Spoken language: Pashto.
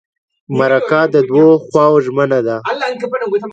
مرکه د دوو خواوو ژمنه ده.